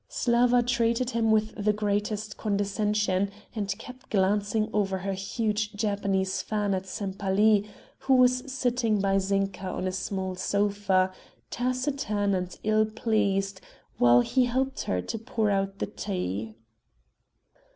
Slawa treated him with the greatest condescension and kept glancing over her huge Japanese fan at Sempaly, who was sitting by Zinka on a small sofa, taciturn and ill pleased, while he helped her to pour out the tea.